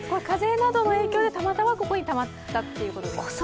風などの影響で、たまたまここにたまったということですか？